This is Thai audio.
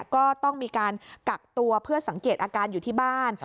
ก็ต้องมีการกักตัวเพื่อสังเกตอาการอยู่ที่บ้าน